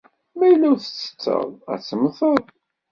Ma yella ur tettetteḍ, ad temmteḍ.